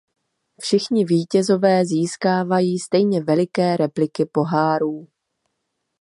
Všichni vítězové získávají stejně veliké repliky pohárů.